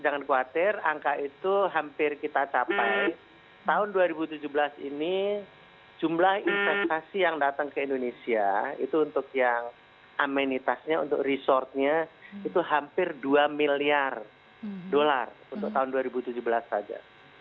jangan khawatir angka itu hampir kita capai tahun dua ribu tujuh belas ini jumlah investasi yang datang ke indonesia itu untuk yang amenitasnya untuk resortnya itu hampir dua miliar dolar untuk tahun dua ribu tujuh belas saja